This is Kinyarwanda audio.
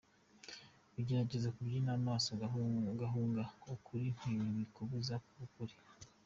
Ugerageza kubyima amaso Guhunga ukuri ntibikubuza kuba ukuri.